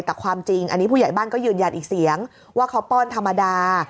แต่ความจริงอันนี้ผู้ใหญ่บ้านก็ยืนยันอีกเสียงว่าเขาป้อนธรรมดา